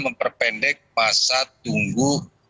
memperpendek masa tunggu